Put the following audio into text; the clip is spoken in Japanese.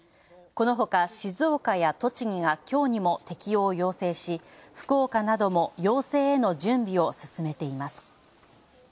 このほか静岡や栃木が今日にも適用要請し、福岡なども要請への準備を進めています。